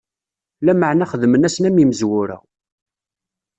Lameɛna xedmen-asen am imezwura.